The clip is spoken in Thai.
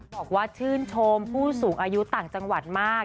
บอกว่าชื่นชมผู้สูงอายุต่างจังหวัดมาก